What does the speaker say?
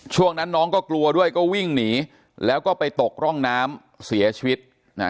ช่วงนั้นน้องก็กลัวด้วยก็วิ่งหนีแล้วก็ไปตกร่องน้ำเสียชีวิตนะฮะ